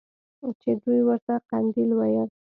چې دوى ورته قنديل ويل.